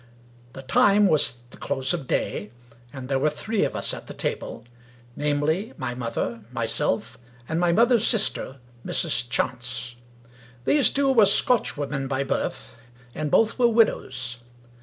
The time was the close of day, and there were three of us at the table, namely, my mother, myself, and my moth er's sister, Mrs. Chance. These two were Scotchwomen by birth, and both were widows.